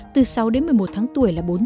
từ sáu đến một mươi một tháng tuổi là